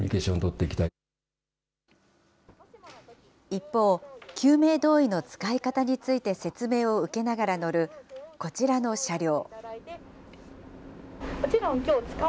一方、救命胴衣の使い方について説明を受けながら乗るこちらの車両。